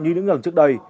như những lần trước đây